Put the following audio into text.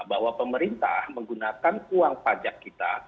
bahwa pemerintah menggunakan uang pajak kita